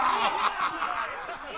ハハハ！